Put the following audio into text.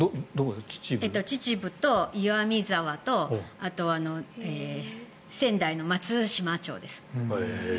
秩父と岩見沢とあと、仙台の松島町です。